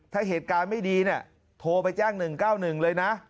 ถ้าเหตุการณ์ไม่ดีเนี้ยโทรไปแจ้งหนึ่งเก้าหนึ่งเลยน่ะ